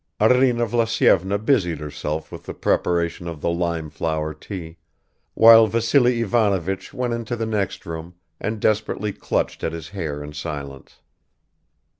Arina Vlasyevna busied herself with the preparation of the lime flower tea, while Vassily Ivanovich went into the next room and desperately clutched at his hair in silence.